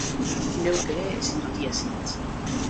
Neuk ere ezin dut ia sinetsi.